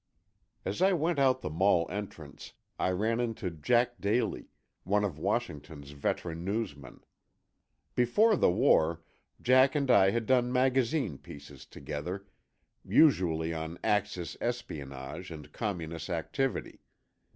As I went out the Mall entrance, I ran into Jack Daly, one of Washington's veteran newsmen. Before the war, Jack and I had done magazine pieces together, usually on Axis espionage and communist activity.